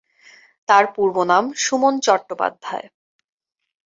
তার পূর্বনাম সুমন চট্টোপাধ্যায়।